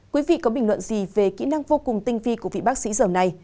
quý vị có bình luận gì về kỹ năng vô cùng tinh vi của vị bác sĩ giờ này